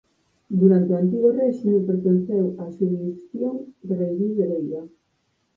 Durante o antigo réxime pertenceu á xurisdición de Rairiz de Veiga.